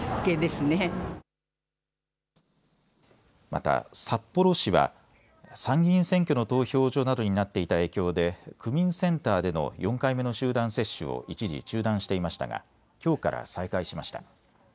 また札幌市は参議院選挙の投票所などになっていた影響で区民センターでの４回目の集団接種を一時、中断していましたがきょうから再開しました。